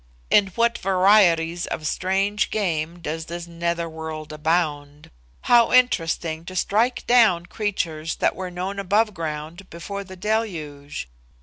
In what varieties of strange game does this nether world abound? How interesting to strike down creatures that were known above ground before the Deluge!